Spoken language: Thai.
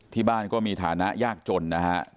ที่บ้านก็มีฐานะยากจนนะฮะ